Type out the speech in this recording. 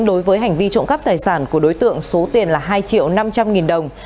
đối với hành vi trộm cắp tài sản của đối tượng số tiền là hai triệu năm trăm linh nghìn đồng